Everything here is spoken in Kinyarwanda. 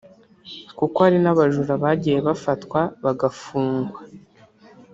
kuko hari n’abajura bagiye bafatwa bagafungwa